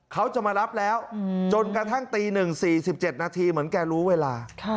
เขาจะมารับแล้วจนกระทั่งตี๑๔๗นาทีเหมือนแกรู้เวลา